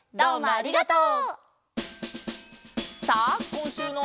ありがとう！